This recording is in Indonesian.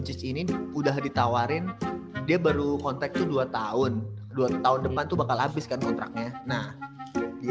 gini udah ditawarin dia baru kontraktur dua tahun dua tahun depan tuh bakal habiskan kontraknya nah